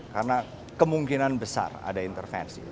karena kemungkinan besar ada intervensi